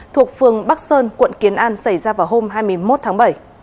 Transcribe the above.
thuộc phường bắc sơn quận kiến an xảy ra vào hôm hai mươi một tháng bảy